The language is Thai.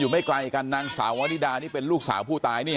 แค้นเหล็กเอาไว้บอกว่ากะจะฟาดลูกชายให้ตายเลยนะ